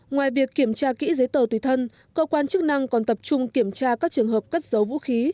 ngoài việc kiểm tra kỹ giấy tờ tùy thân cơ quan chức năng còn tập trung kiểm tra các trường hợp cất giấu vũ khí